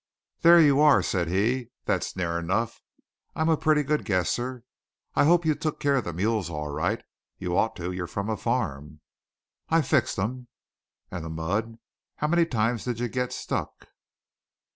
"There you are," said he; "that's near enough. I'm a pretty good guesser. I hope you took care of the mules all right; you ought to, you're from a farm." "I fixed 'em." "And the mud? How many times did you get stuck?"